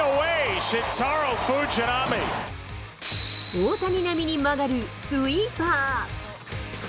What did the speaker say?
大谷並みに曲がるスイーパー。